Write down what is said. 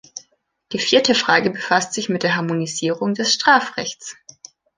Die vierte Frage befasst sich mit der Harmonisierung des Strafrechts.